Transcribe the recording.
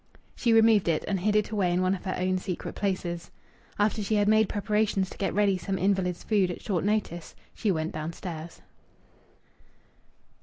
She removed it, and hid it away in one of her own secret places. After she had made preparations to get ready some invalid's food at short notice, she went downstairs.